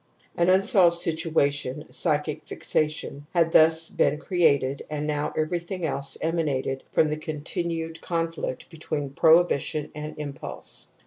An unsolved situation, a psychic fixation, had thus been created and now everything else emanated from the continued(conflict between prohibition / and impulse.